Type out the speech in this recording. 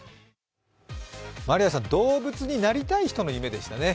まりあさん、動物になりたい人の夢でしたね。